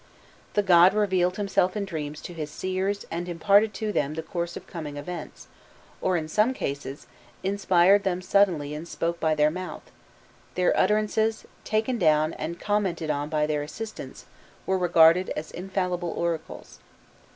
The god revealed himself in dreams to his seers and imparted to them the course of coming events,* or, in some cases, inspired them suddenly and spoke by their mouth: their utterances, taken down and commented on by their assistants, were regarded as infallible oracles.